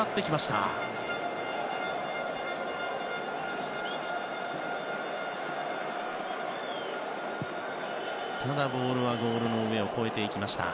ただボールはゴールの上を越えていきました。